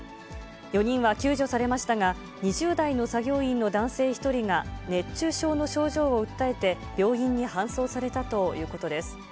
４人は救助されましたが、２０代の作業員の男性１人が熱中症の症状を訴えて病院に搬送されたということです。